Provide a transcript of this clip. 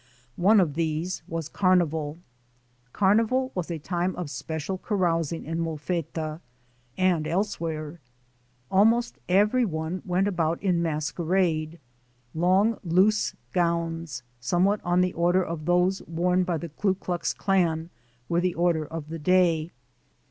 One of these was Carnival. Carnival was a time of special carousing in Molfetta and elsewhere. Almost every one went about in masque rade. Long, loose gowns, somewhat on the order of those worn by the Ku Klux Klan, were the order of the day.